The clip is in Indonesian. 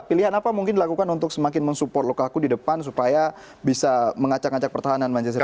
pilihan apa mungkin dilakukan untuk semakin mensupport lukaku di depan supaya bisa mengacak ngacak pertahanan manchester